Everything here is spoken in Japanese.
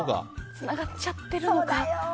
つながっちゃってるのか。